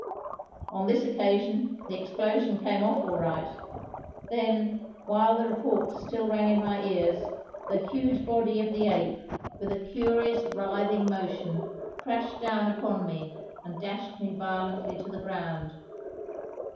On this occasion the explosion came off all right; then, while the report still rang in my ears the huge body of the ape, with a curious writhing motion, crashed down upon me and dashed me violently to the ground.